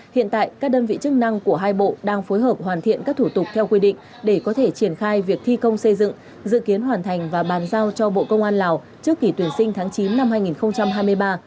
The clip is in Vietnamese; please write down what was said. hiện tại các đơn vị chức năng của hai bộ đang phối hợp hoàn thiện các thủ tục theo quy định để có thể triển khai việc thi công xây dựng dự kiến hoàn thành và bàn giao cho bộ công an lào trước kỳ tuyển sinh tháng chín năm hai nghìn hai mươi ba